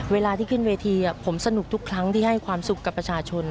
เวลาที่ขึ้นเวทีผมสนุกทุกครั้งที่ให้ความสุขกับประชาชน